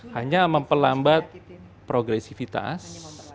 hanya memperlambat progresivitas